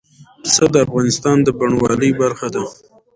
پسه د افغانستان د بڼوالۍ برخه ده.